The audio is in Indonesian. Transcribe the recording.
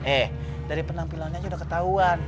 eh dari penampilannya aja udah ketahuan